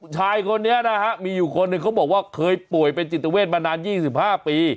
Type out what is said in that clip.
ชายคนนี้นะฮะมีอยู่คนหนึ่งเขาบอกว่าเคยป่วยเป็นจิตเวทมานาน๒๕ปี